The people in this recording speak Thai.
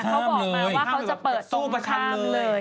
เขาบอกมาว่าเขาจะเปิดตู้ข้ามเลย